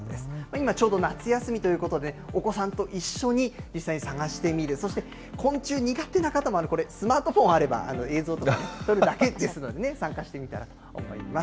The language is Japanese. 今、ちょうど夏休みということで、お子さんと一緒に実際に探してみる、そして昆虫苦手な方も、スマートフォンあれば映像とか撮るだけですのでね、参加してみたらと思います。